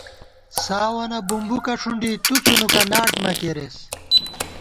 ساوَنہ بوُومبُکہ ݭنڈی، تو څُنوُکہ ناٹ مہ کېرېس